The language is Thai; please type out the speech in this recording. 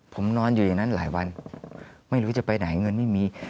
ผมนอนอยู่อย่างนั้นหลายวันไม่รู้จะไปไหนเงินไม่มี